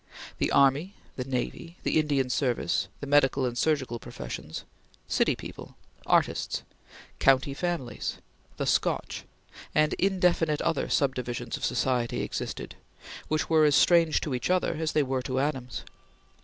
The Army; the Navy; the Indian Service; the medical and surgical professions; City people; artists; county families; the Scotch, and indefinite other subdivisions of society existed, which were as strange to each other as they were to Adams.